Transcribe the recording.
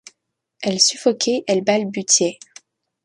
Elle suffoquait, elle balbutiait.